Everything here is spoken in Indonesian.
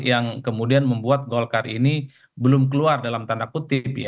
yang kemudian membuat golkar ini belum keluar dalam tanda kutip